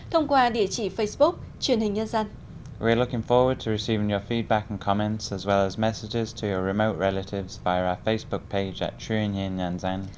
thông qua địa chỉ facebook truyền hình nhân dân